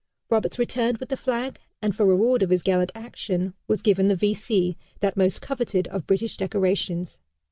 Roberts returned with the flag, and for reward of his gallant action was given the V. C., that most coveted of British decorations.